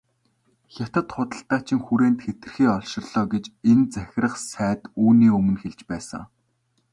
Хятад худалдаачин хүрээнд хэтэрхий олширлоо гэж энэ захирах сайд үүний өмнө хэлж байсан.